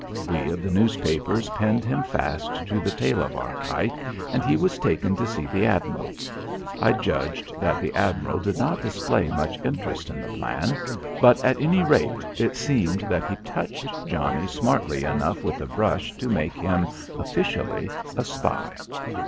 We of the newspapers pinned him fast to the tail of our kite and he was taken to see the admiral. I judge that the admiral did not display much interest in the plan. But at any rate it seems that he touched Johnnie smartly enough with a brush to make him, officially, a spy.